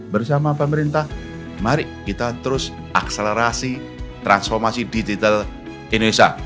bersama pemerintah mari kita terus akselerasi transformasi digital indonesia